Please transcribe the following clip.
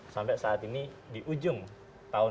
sampai saat ini di ujung tahun dua ribu dua puluh